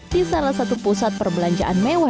di salah satu pusat perbelanjaan mewah